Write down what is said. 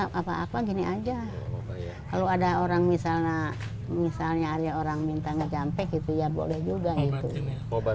hai kalau ada orang misalnya misalnya ada orang minta menjempe gitu yahua biasa juga ini coba